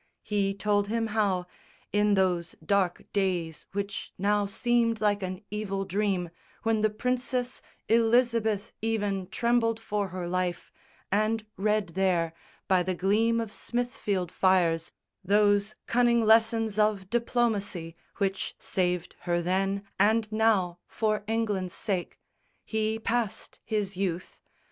He told him how, in those dark days which now Seemed like an evil dream, when the Princess Elizabeth even trembled for her life And read there, by the gleam of Smithfield fires, Those cunning lessons of diplomacy Which saved her then and now for England's sake, He passed his youth.